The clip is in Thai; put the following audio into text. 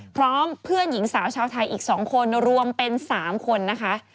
พร้อมเพื่อนหญิงสาวชาวไทยอีก๒คนรวมเป็น๓คนนะคะ